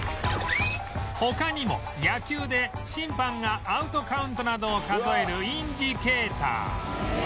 他にも野球で審判がアウトカウントなどを数えるインジケーター